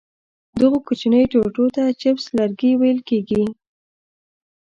دغو کوچنیو ټوټو ته چپس لرګي ویل کېږي.